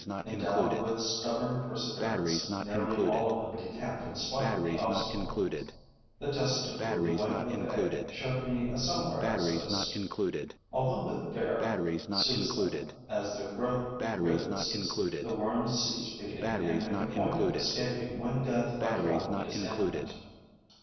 Endowed with stubborn perseverance, nearly all of them decamp in spite of the obstacle. The test tube with the white of egg showed me a similar exodus. Although the fare suits them, as their growth witnesses, the worms cease feeding and make a point of escaping when death by drowning is imminent.